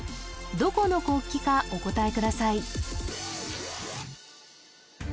どこの国旗かお答えください